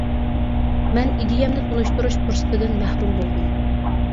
مەن ئىدىيەمنى تونۇشتۇرۇش پۇرسىتىدىن مەھرۇم بولدۇم.